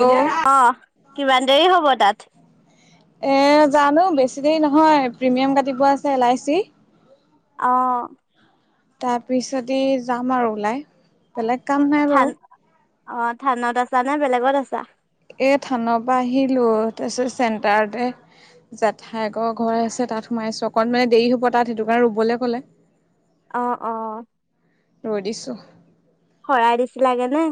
অ', অ', কিমান দেৰি হ'ব তাত এ, জানো বেছি দেৰি নহয়, প্ৰিমিয়াম কাটিব আছে এল আই চি অ', তাৰপিছদি যাম আৰু ওলাই বেলেগ কাম নাই থান বাৰু অ', থানত আছা নে বেলেগত আছা। এই থানৰ পৰা আহিলোঁ তাৰপিছত চেণ্টাৰতে জেঠাইকৰৰ ঘৰ আছে। তাত সোমাই আছো অকণ মানে দেৰি হ'ব তাত সেইটো কাৰণে ৰুবলৈ ক'লে অ', অ, ৰডিছো। শৰাই দিছিলাগে নে?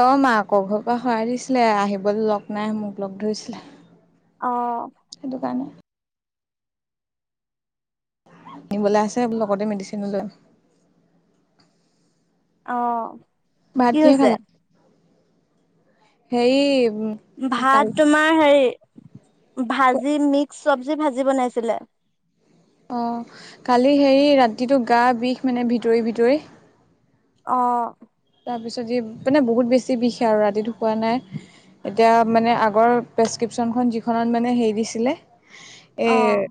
অ', ম আাকৰ ঘৰ পৰা সৰাই দিছিলে আহিবলৈ লগ নাই মোক লগ ধৰিছিলে। অ', সেইটো কাৰণে আনবলৈ আছে। লগতে মেডিচিনো লৈ অ', ভাত কি কিহে হৈছে? খালা [unintelligible] [unintelligible] ভাত কালি তোমাৰ হেৰি, ভাজি মিক্স চবজি ভাজি বনাইছিলে। অ', কালি হেৰি ৰাতিটো গা বিষ মানে ভিতৰি ভিতৰি। অ', তাৰ পিছত মানে, বহুত বেছি বিষে আৰু ৰাতি শুৱা নাই। এতিয়া মানে আগৰ প্ৰেছক্ৰিপশ্যনখন, যিখনত মানে হেৰি দিছিলে। অ', এই,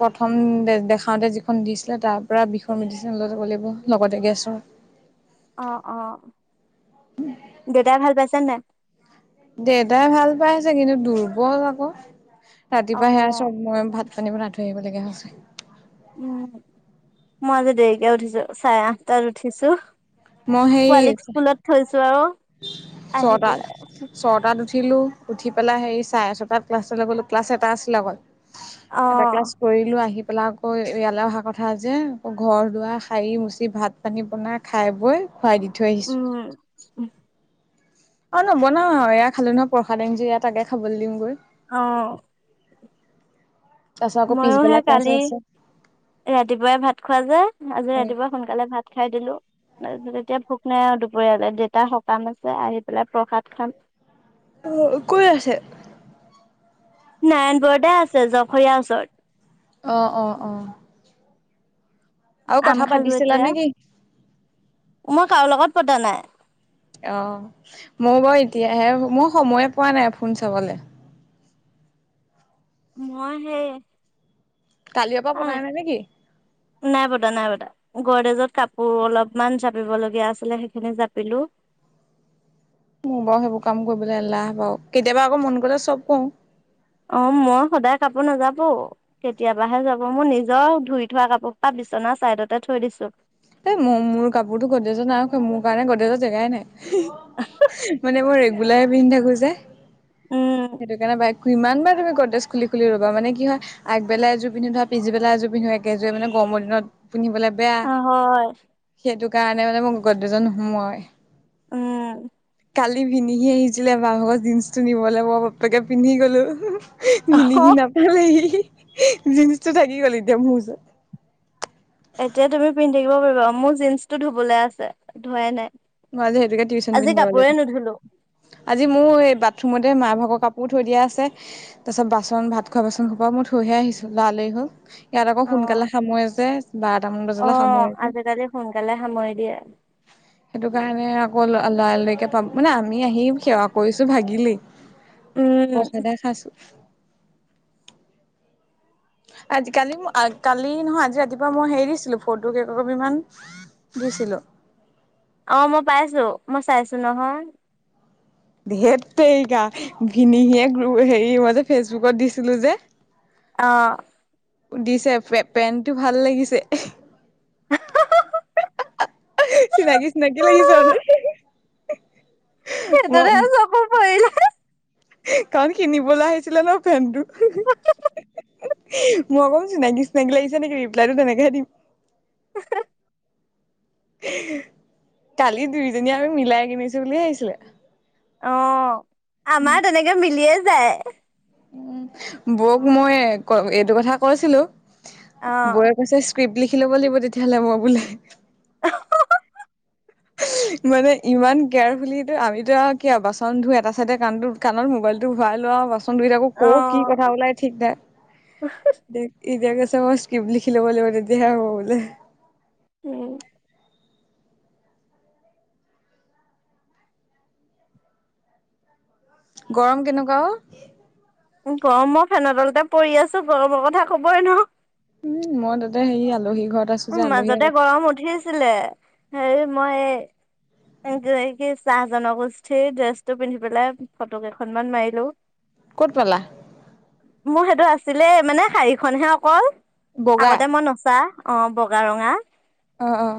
প্ৰথম দে দেখাওঁতে যিখন দিছিলে। তাৰ পৰাৰা বিষৰ মেডিচিন ল ল লাগিব লগতে গেছৰ অ', দেউতাই ভাল পাইছে নাই? দেউতাই ভাল পাইছে কিন্তু, দুৰ্বল আকৌ ৰাতিপুৱা সেয়া অ'। চব মই ভাত পানীব পৰা আ ধুৰি আহিবলগীয়া হৈছে উম, মই আজি দেৰিকে উঠিছো চাৰে আঠটাত উঠিছো মই পোৱালীক সেই স্কুলত থৈছো আৰু [unintelligible] আহি পেলাই ছটাত উঠিলোঁ, উঠি পেলাই হেৰি চাৰে ছটাত ক্লাছলৈ গ'লো ক্লাছ এটা আছিলে আগকল এটা ক্লাছ অ', কৰিলো আহিব এই পেলাই আকৌ ইয়ালৈ অহা কথা যে, আকৌ ঘৰ দুৱাৰ খাৰি মুচি ভাত পানী বনাই খাই বৈ খুৱাই দি থৈ আহিছোঁ। উম, অ', নবনাও আৰু, এয়া খালো নহয় প্ৰসাদ আন যে ইয়াত তাকে খাবলৈ দিমগৈ অ', তাৰপিছত আকৌ ময়ো পিছবেলা হে ক্লাছ কালি আছে ৰাতিপুৱাই ভাত খোৱা যে, আজি ৰাতিপুৱা সোনকালে ভাত খাই দিলো তাৰপিছত এতিয়া ভোক নাই আৰু, দুপৰীয়ালৈ দেতা সকাম আছে আহি পেলাই প্ৰসাদ খাম অ', কত আছে? নাৰায়ণ পুৰতে আছে জখৰীয়াৰ ওচৰত। অ', অ', অ'। আৰু আম কথা খালোঁ পাতিছিলা এতিয়া, নে কি মই কাৰো লগত পতা নাই। অ' মই বাৰু এতিয়াহে মোৰ সময়ে পোৱা নাই ফোন চাবলৈ। মই সেই কালিৰে পৰা পতাই নাই নাই কি? নাই পতা নাই পতা। গডৰেজত কাপোৰ অলপমান জাপিবলগীয়া আছিলে সেইখিনি জাপিলোঁ। মোৰ বাৰু সেইবোৰ কাম কৰিবলৈ এলাহ বাৰু কেতিয়াবা আকৌ মন গ'লে চব কৰোঁ। অ' মই সদায় কাপোৰ নাজাপো। কেতিয়াবাহে জাপোঁ মোৰ নিজৰ ধুই থোৱা কাপোৰ পাত বিচনা চাইডতে থৈ দিছোঁ। এ, ম মোৰ কাপোৰতো গডৰেজত নাৰাখোৱে মোৰ কাৰণে গডৰেজত জেগাই নাই। মানে মই ৰেগুলাৰ পিন্ধি থাকোঁ যে। উম সেইটো কাৰণে বাই কিমান বাৰ তুমি গডৰেজ খুলি খুলি ল'বা মানে কি হয় আগবেলা এযোৰ পিন্ধো ধৰ পিছিবেলাই এযোৰ পিন্ধো একেযোৰা মানে গৰম দিনত পিন্ধিবলৈ হয় [unintelligible] সেইটো কাৰণে মানে মোৰ গডৰেজত নোসোমাৱে। উম। কালি ভিনিহি আহিছিলে বা [unintelligible] জীন্সটো নিবলৈ মই বাপেকে পিন্ধি গ'লো। ভিনি অ কি নাপালেহি, জিন্ছটো থাকি গ'ল এতিয়া মোৰ ওচৰত। এতিয়া তুমি পিন্ধি থাকিব পাৰিবা মোৰ জীন্সটো ধুবলৈ আছে, ধোৱাই নাই। মই আজি সেইটোকে টিউচন আজি পিন্ধি যাব লাগিব। কাপোৰে নুধুলো আজি মোৰ এই বাথৰুমতে মাৰ ভাগৰ কাপোৰ থৈ দিয়া আছে। তাৰ পিছত বাচন ভাত খোৱা বাচন সপা মই থৈহে আহিছোঁ লৰা লৰি হ'ল। ইয়াত আকৌ অ সোনকালে সামৰে যে বাৰটামান অ বজালে সামৰে যে। আজিকালি সোনকালে সামৰি দিয়ে। সেইটো কাৰণে আকৌ ল-লৰা লৰিকে পাব মানে আমি আহি সেৱা কৰিছোঁ ভাগিলি। উম প্ৰসাদে খাইছোঁ। আজি কালি ম কালি নহয় আজি ৰাতিপুৱা মই হেৰি দিছিলোঁ ফটো কেই কপি মান। [unintelligible] অ' মই পাইছোঁ, মই চাইছোঁ নহয়। ধেত তেৰিকা ঘিনিহিয়ে গ্ৰু হেৰি মই যে ফেচবুকত দিছিলোঁ যে। অ'। দিছে পে পেণ্টটো ভাল লাগিছে। চিনাকি চিনাকি লাগিছে মানে। এ, সেইটোতে মই চকু পৰিলে [unintelligible] কাৰণ কিনিবলৈ আহিছিলে ন' পেনটো। মই কম চিনাকি চিনাকি লাগিছে নেকি ৰিপ্লাইটো তেনেকহে দিম। [unintelligible] কালি দুইজনীয়ে আমি মিলাই কিনিছোঁ বুলি ভাবিছিলে। অ' আমাৰ তেনেকে মিলিয়ে যায়। উম, বৌক মই ক-এইটো কথা কৈছিলোঁ, অ বৌৱে কৈছে [unintelligible] ল'ব লাগিব তেতিয়াহ'লে মই বোলে। মানে ইমান কেয়াৰফুলিটো আমিতো আৰু কি বাচন ধুই এটা চাইড কাণটো কাণত মোবাইলটো ভৰাই লওঁ আৰু বাচন ধুই থাকোঁ অ কৰ কি কথা ওলাই ঠিক নাই। দে এতিয়া কৈছে মই [unintelligible] লিখি ল'ৱ লাগিব হ'ব তেতিয়াহে হ'ব বোলে। উম। গৰম কেনেকুৱা অ'। গৰমৰত ফেনৰ তলতে পৰি আছোঁ গৰমৰ কথা ক'বই নৰো। উম, মই তাতে হেৰি আলহী ঘৰত আছ উম, মাজতে গৰম উঠিছিলে, হেৰি মই কি চাহ জনগোষ্ঠীৰ ড্ৰেছটো পিন্ধি পেলাই ফটো কেইখনমান মাৰিলো। ক'ত পালা? মোৰ সেইটো আছিলে মানে শাৰীখনহে অকল বগা আগতে মই নচা। অ' বগা ৰঙা। অ', অ'।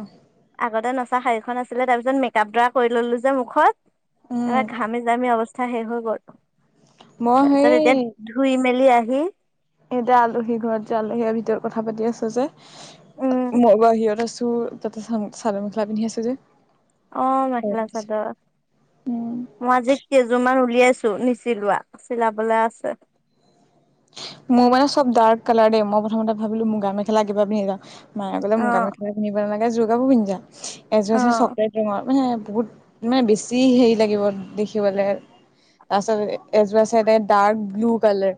আগতে নচা শাড়ীখন আছিলে তাৰপিছত মেকআপডৰা কৰি ললো যে মুখত। উম, এবাৰ ঘামি জামি অৱস্থা শেষ হৈ গল মই তাৰপিছত সেই এতিয়া ধুই মেলি আহি এতিয়া আলহী ঘৰত যে আলহীয়ে ভিতৰত কথা পাতি আছো উম যে মই বাহিৰত আছো। তাতে চাল মেখেলা পিন্ধি আছো যে। অ মখেলা চাদৰ উম, মই আজি কেইযোৰমান উলিয়াইছো নিচিলোৱা চিলাবলে আছে। মোৰ মানে চব ডাৰ্ক কালাৰ দেই মই প্ৰথমতে ভাবিলো মুগা মেখেলা কিবা পিন্ধি যাওঁ। মায়ে কলে অ মুগা অ কাপোৰ পিন্ধিব নালাগে যোৰ কাপোৰ পিন্ধি যা‌ যোৰ আ চকলে ডাঙৰ মানে বহুত মানে বেছি হেৰি লাগিব দেখিবলে। তাৰপিছত এ ডাৰ্ক ব্লু কালাৰ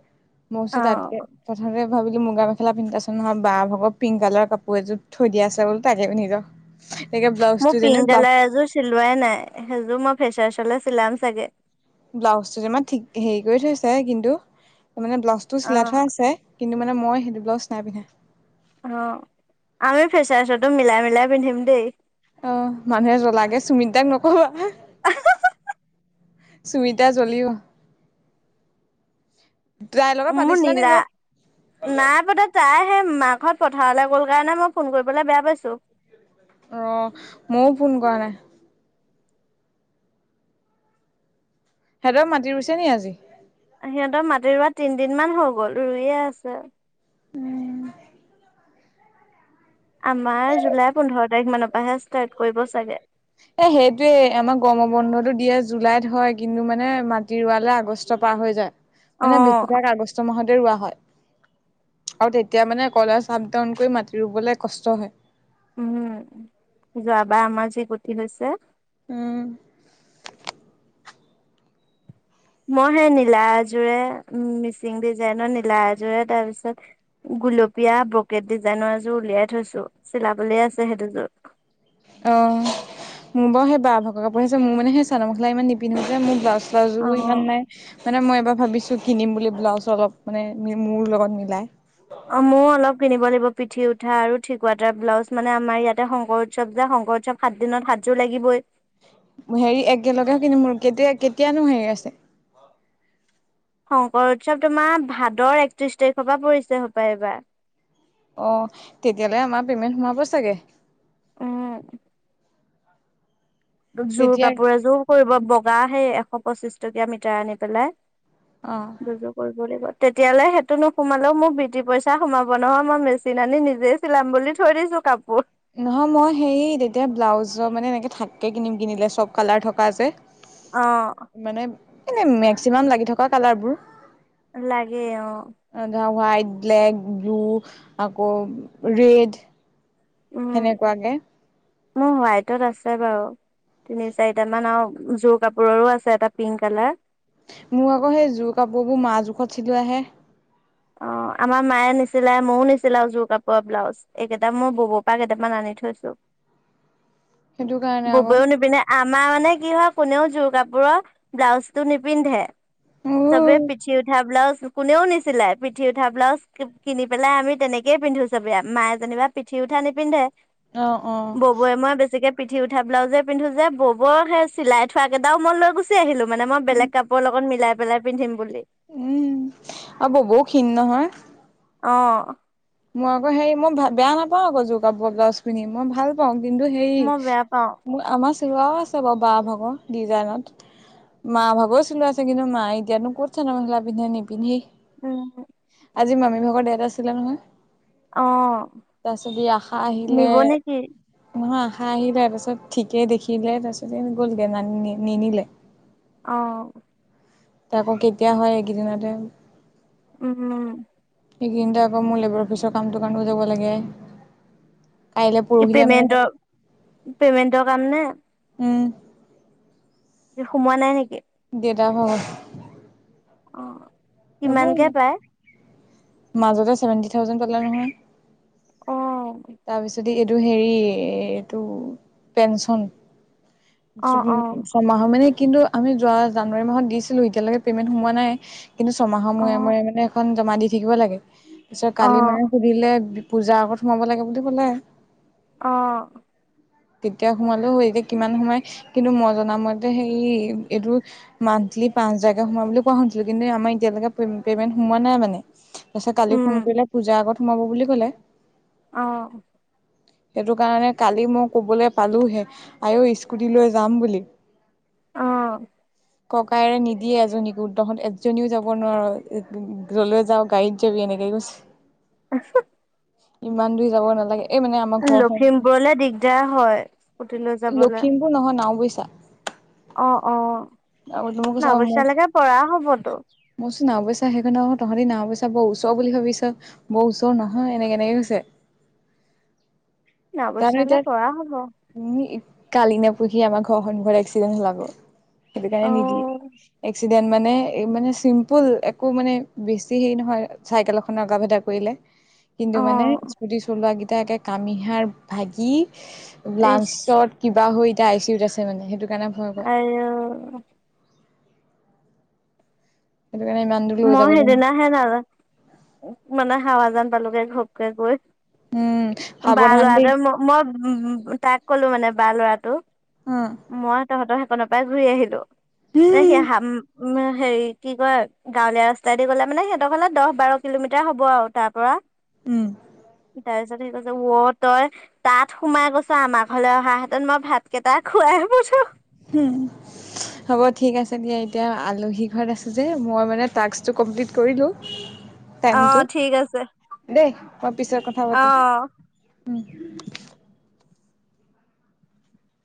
মল অ তাতকে প্ৰথমতে ভাবিলো মুগা মেখেলা পিন্ধাচোন নহ বা ভাগৰ পিংক কালৰ কাপোৰ এযোৰ থৈ দিয়াছে বো তাকে পিন্ধো ৰ। একে মোৰ ব্লাউজটো যেনে পিংক ব্লাউজ কালাৰ এযোৰ চিলোৱাই নাই সেইযোৰ মই ফেচাৰচলে চিলাম চাগে। ব্লাউজটো তমান ঠিক হেৰি কৰি থৈছে কিন্তু মানে ব্লাউজ টো অ চিলাই থোৱা আছে কিন্তু মানে মই সেইটো বলাউজাই নাই পিন্ধা। অ' আমি ফেচাৰচটো মিলাই মিলাই পিন্ধিম দেই। অ' মানুহে জ্বলাগে চুমিত দাক নকবা। [unintelligible] সুমিতা জ্বলিও। মোৰ নীলা নাই পদাত তাই সেই মাক ঘৰত পথাৰলৈ গ'ল কাৰণে মই ফোন কৰিবলৈ বেয়া পাইছো। অ' ময়ো ফোন কৰা নাই। সিহঁতৰ মাতি ৰুইছে নেকি আজি? সিহঁতৰ মাটি ৰোৱা তিনদিনমানান হৈ গ'ল ৰুইয়ে আছে। আমাৰ জুলাই পোন্ধৰ তাৰিখ মানৰ পৰাহে ষ্টাৰ্ট কৰিব চাগে। উ [unintelligible] এ সেইটোৱেই আমাৰ গৰমৰ বন্ধতটো দিয়ে জুলাইত হয় কিন্তু মানে মাটি পাৱালে আগষ্ট পাৰ হৈ যায়। অ মানে বেছিভাগ আগষ্ট মাহতে ৰোৱা হয়। আৰু তেতিয়া মানে কলা চাপ ডাউন কৰি মাতি ৰুবলৈ কষ্ট হয়। উম, যোৱাবাৰ আমাৰ যি গুটি হৈছে। উম। মই সেই নীলা আযোৰে মিচিং ডিজাইনৰ নীলা আযোৰে তাৰ পিছত গুলপীয়া ব্ৰকেট ডিজাইনৰ এযোৰ উলিয়াই থৈছো চিলাবলে আছে সেইটোযোৰ। অ' মোৰ বাৰু সেই বহ ভাগ কাপোৰ আছে মোৰ মানে সেই চাদৰ মেখেলা ইমান নিপিন্ধছে মোৰ ব্লাউজ বু অ ইমান নাই মানে মই এবাৰ ভাবিছো কিনিম বুলি ব্লাউজ অলপ মানে মোৰ লগত মিলাই। অ' ময়ো অলপ কিনিব লাগিব পিঠি উঠা আৰু ঠিকুৱটাৰ ব্লাউজ মানে আমাৰ ইয়াতে শংকৰ উৎসৱ যে শংকৰ উৎসৱ সাত দিনত হাতযোৰ লাগিবই। হেৰি একেলগেও কিনি মোৰ কেতিয়া কেতিয়ানো হেৰি আছে। শংকৰ উৎসৱ তোমাৰ ভাদৰ একত্ৰিশ তাৰিখৰ পৰা পৰিছে সপায় এইবাৰ। অ' তেতিয়াললে আমাৰ পেমেণ্ট সোমাব চাগে। উম। জোৰ তেতিয়া কাপোৰে এযোৰ কৰিব বগা সেই এশ পঁচিশ টকীয়া মিটাৰ আনি পেলাই। অ'। কৰিব লাগিব তেতিয়াললে সেইটো নোসোমালেও মোক বিটি পইচা সোমাব নহয় মই মেচিন আনি নিজে চিলাম বুলি থৈ দিছো কাপোৰ নহয় মই হেৰি তেতিয়া ব্লাউজৰ মানে এনেকে থাককে কিনিম কিনিলে চব কালাৰ থকা যে অ মানে এনে মেক্সিমাম লাগি থকা কালাৰ বোৰ অালাগে আ হোৱাইট ব্লেক ব্লু আকৌ ৰেড উম সেনেকুৱাকে মোৰ হোৱাইটত আছে বাৰু তিনি চাৰিট মান আৰু জোৰ কাপোৰৰো আছে এটা পিংক কালাৰ মোৰ আকৌ সেই জোৰ কাপোৰবোৰ মাহ জোখত চিলোৱা আহে অ আমাৰ মায়ে নিচিলে ময়ো নিচিলাও জোৰ কাপোৰৰ ব্লাউজ এইকেইটা মই ববৰ পৰা কেইটামান আনি থৈছো সেইটো কাৰণে আকৌ ববৈও নিপিনে আমাৰ মানে কি হয় কোনেও জোৰ কাপোৰৰ ব্লাউজটো নিপিন্ধে উ চবে পিঠি উঠা ব্লউজ কোনেও নি চিলাই পিঠি উঠা ব্লাউজ কিনি পেলাই আমি তেনেকেইে পিন্ধো চবে মায়ে যেনিবা পিঠি উঠা নিপিন্ধে অ অ ববে মই বেছিকে পিঠি উঠা ব্লাউজে পিন্ধো যে ববৰ সে চিলাই থোৱ কেইটাও মই লৈ গুচি আহিলো মানে মই বেলেগ কাপোৰৰ লগত মিলাই পেলাই পিন্ধিম বুলি উম আৰু ববৌ ক্ষীণ নহয় অ মই আকৌ হে মই ভ বেয়া নাপাওঁ আকৌোৰ কাপোৰ ব্লাউজ পিনি মই ভাল কিন্তু হেৰি মই বেয়া পাওঁ মোৰ আমাৰ চোৱাও আছে বাৰ বা ভাগৰ ডিজাইনত মা ভাগৰছিলো আছে কিন্তু মা এতিয়াতনো কত থ ন মেিলা পিন্ধে নি পিন্ধি উম, আজি মামী ভাগৰ দেতটা আছিলে নহয় অ তাৰ পিছত আশা আহিলে নিব নেকি? নহয় আশা আহিলে তাৰপিছত ঠিকেই দেখিলে তাৰপিছত এনে গ'লগৈ ন নিনিলে অ আকৌ কেতিয়া হয় এইকেইদিনতে উম সেইকেইিনতে আকৌ মোৰ লেবাৰ অফিচৰ কামটো কাৰণটো যাব লাগে কাইলে কি পৰহিলে মানে পেমেণ্টৰ পেমেন্টৰ কাম নে উম সোমোৱা নাই নেকি দেউতা হত অ নবৌ কিমানকে পায় মাজতে চেভেনটি থাউজেড পালে নহয় অ তাৰপিছতে এইটো হেৰি এইটো পেঞ্চন অ অ ছয়মাহৰ মানে কিন্তু আমি যোৱা জানুৱাৰী মাহত দিছিলো এতিয়ালৈকে পেমেন্ট সোমোৱা নাই কিন্তু ছমাহৰ অ মূৰে মূৰে মানে এখন জমা দি থাকিব লাগে তাৰপিছত অ কালি মানে দিলে পূজাৰ আগত সোমাব লাগে বুলি ক'লে অ তেতিয়া সোমালেও এতিয়া কিমান সোমাই কিন্তু মই জনামতে সেই এইটো মান্থলি পাঁচ হাজাৰকে সোমাব বুলি কোৱা শুনছিলো কিন্তু আমাৰ এতিয়ালৈকে পেমেন্ট সোমোৱা নাই মানে তাৰপিছত কালি উম ফোন কৰিলে পূজাৰ আগত সোমাব বুলি ক'লে অ সেইটো কাৰণে কালি মই কবলৈ পালোহে আই ঐ স্কুটি লৈ যাম বুলি অ ককায়েৰে নিদিয়ে এজনীকো তহত এজ জনীও যাব নোৱাৰোঁ যলৈ যাওঁ গাড়ীত যাবি এনেকে কৈছে [unintelligible] ইমান দূৰ যাব নালাগে। এই মানে আমাৰ ঘৰখন লখিমপুৰলে দিগদাৰ হয় স্কুটি লৈ যাবলে। হে নহয় নাওবৈচা। অ', মই অ'। নাওবৈচালৈকে পৰা হ'বতো। মইচোন নাওবৈচা সেইকাৰণে আৰু তহঁতে নাওবৈচা বৰ ওচৰ বুলি ভাবিছ। বৰ ওচৰ নহয় এনেকে এনেকে কৈছে। জানো এতিয়া নাওবৈচালে পৰা হ'ব। উম, কালি নে পৰহি আমাৰ ঘৰখন ঘৰত এক্সিডেণ্ট হলাব। সেইটো কাৰণে অ নিদিয়ে। এক্সিডেণ্ট মানে এই মানে চিম্পুল একো মানে বেছি হেৰি নহয়, চাইকেল এখনে অকাম এটা কৰিলে। কিন্তু অ মানে স্কুটি চলোৱাকেইটা একে কামিহাৰ ভাগি ইচ লাঞ্চত কিবা হৈ এতিয়া আই চিউত আছে মানে সেইটো কাৰণে ভয় হয়। আই অ'। সেইটো কাৰণে ইমান দুৰ মই সেইদিনাহে নাযা মানে হাৱাজান পালোগে ঘপকে গৈ। উম বা সাৱধান দেই ল'ৰাটোৱে ম, মক উম, তাক ক'লো মানে বা লৰাটো উম। তহঁতৰ সেইকনৰপৰা ঘূৰি আহিলো। এ, উম সি হাপ উম, হেৰি কি কয় গাঁৱলীয়া ৰাস্তাইদি গ'লে মানে সিহঁতৰফালে দহ বাৰ কিলোমিটাৰ হ'ব আৰু তাৰপৰা। উম। তাৰপিছত সেই কৈছে উ, তই। তাত সোমাই গৈছ, আমাৰ ঘৰলৈ অহাহেতেন মই ভাতকেইটা খোৱাই পঠো হুম। হ'ব ঠিক আছে দিয়া, এতিয়া আলহী ঘৰত আছোঁ যে মই মানে টাস্কটো কমপ্লিট কৰিলোঁ। অ টাইমটো, ঠিক আছে দেই মই পিছত কথা পাতিম অ উম।